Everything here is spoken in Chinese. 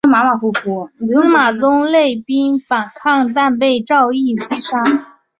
司马宗勒兵反抗但被赵胤击杀。